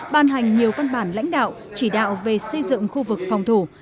ban hành nhiều văn bản lãnh đạo chỉ đạo về xây dựng khu vực phòng thủ